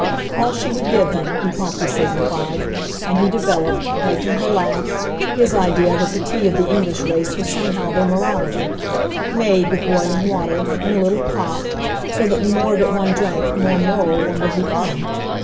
All she would give him, he promptly signified; and he developed, making her laugh, his idea that the tea of the English race was somehow their morality, "made," with boiling water, in a little pot, so that the more of it one drank the more moral one would become.